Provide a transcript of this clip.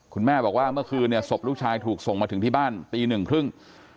คุณแม่บอกว่าเมื่อคืนเนี่ยศพลูกชายถูกส่งมาถึงที่บ้านตีหนึ่งครึ่ง